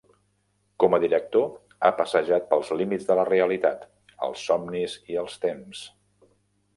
Com a director ha passejat pels límits de la realitat, els somnis i el temps.